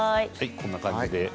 こんな感じです。